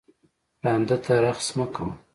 ړانده ته رخس مه کوه